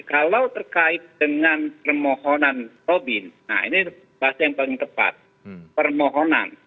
kalau terkait dengan permohonan robin nah ini bahasa yang paling tepat permohonan